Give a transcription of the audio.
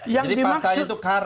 jadi paksa itu karet